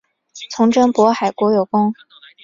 从征渤海国有功。